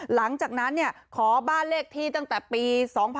หลังจากนั้นขอบ้านเลขที่ตั้งแต่ปี๒๕๖๒